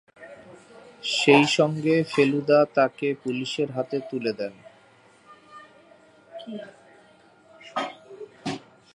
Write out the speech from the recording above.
সেইসঙ্গে ফেলুদা তাকে পুলিশের হাতে তুলে দেন।